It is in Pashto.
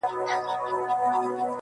د مسجدي او د اکبر مېنه ده-